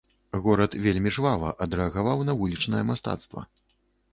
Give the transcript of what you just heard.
Горад вельмі жвава адрэагаваў на вулічнае мастацтва.